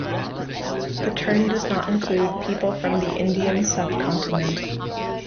The term does not include people from the Indian subcontinent.